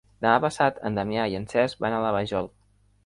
Demà passat en Damià i en Cesc van a la Vajol.